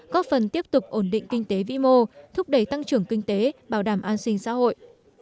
góp phần tiếp tục ổn định kinh tế vĩ mô thúc đẩy tăng trưởng kinh tế bảo đảm an sinh xã hội